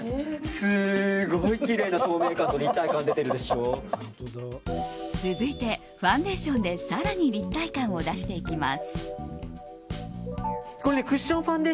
すごいきれいな透明感と続いて、ファンデーションで更に立体感を出していきます。